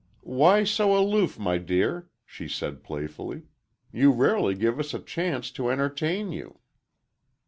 "Why so aloof, my dear," she said, playfully. "You rarely give us a chance to entertain you."